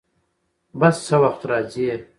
بس څه وخت راځي؟